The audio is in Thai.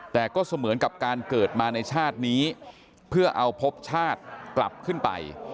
แต่ก็เสมือนกับการเกิดมาในชาตินี้เพื่อเอาพบชาติกลับขึ้นไป